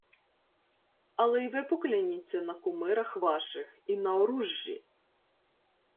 — Але й ви покляніться на кумирах ваших і на оружжі.